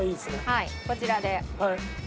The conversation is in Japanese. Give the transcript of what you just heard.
はいこちらで。